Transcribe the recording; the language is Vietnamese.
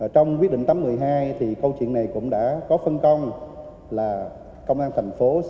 trong quyết định tấm một mươi hai câu chuyện này cũng đã có phân công là công an thành phố